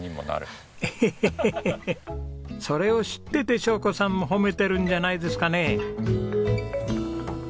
それを知ってて晶子さんも褒めてるんじゃないですかね？